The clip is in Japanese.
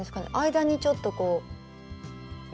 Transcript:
間にちょっとこう。